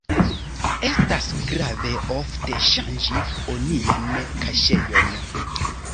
Estas grave ofte ŝanĝi onian kaŝejon.